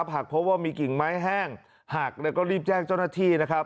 หากพบว่ามีกิ่งไม้แห้งหักแล้วก็รีบแจ้งเจ้าหน้าที่นะครับ